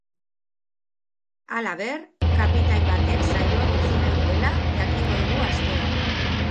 Halaber, kapitain batek saioa utzi nahi duela jakingo dugu asteon.